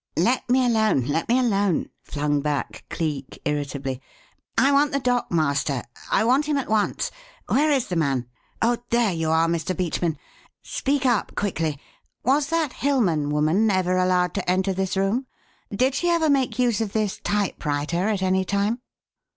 "Let me alone, let me alone!" flung back Cleek, irritably. "I want the dockmaster! I want him at once! Where is the man? Oh, there you are, Mr. Beachman. Speak up quickly. Was that 'Hilmann' woman ever allowed to enter this room? Did she ever make use of this typewriter at any time?"